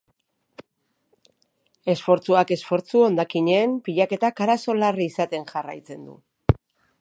Esfortzuak esfortzu, hondakinen pilaketak arazo larri izaten jarraitzen du.